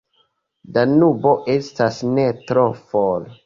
Danubo estas ne tro for.